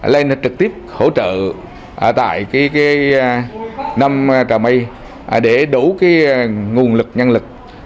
lên trực tiếp hỗ trợ tại nam trà mây để đủ nguồn lực nhân lực